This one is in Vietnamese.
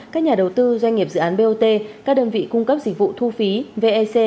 các nhà đầu tư doanh nghiệp dự án bot các đơn vị cung cấp dịch vụ thu phí vec